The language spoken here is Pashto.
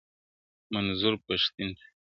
منظور پښتین ته:!.